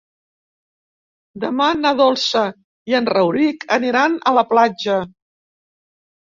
Demà na Dolça i en Rauric aniran a la platja.